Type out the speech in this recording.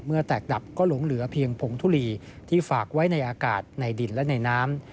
แตกดับก็หลงเหลือเพียงผงทุลีที่ฝากไว้ในอากาศในดินและในน้ำ